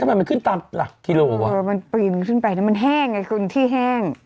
ทำไมมันขึ้นตามหลักกิโลวะมันปีนขึ้นไปมันแห้งไงคุณที่แห้ง